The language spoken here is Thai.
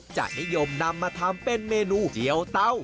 จะนิยมนำมาทำเป็นเมนูเจียวเตา